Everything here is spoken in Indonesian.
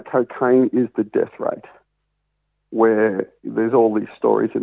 mereka menghilangkan lebih banyak orang